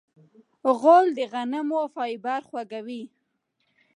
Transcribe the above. غول د غنمو فایبر خوښوي.